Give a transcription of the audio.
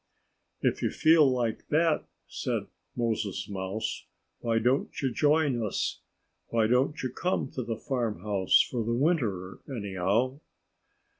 "If you feel like that," said Moses Mouse, "why don't you join us? Why don't you come to the farmhouse for the winter, anyhow?"